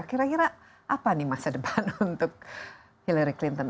kira kira apa nih masa depan untuk hillary clinton